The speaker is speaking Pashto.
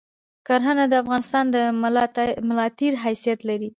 کرهنه د افغانستان د ملاتیر حیثیت لری